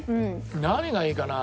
何がいいかな？